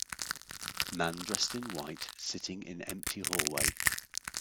man dressed in white sitting in empty hallway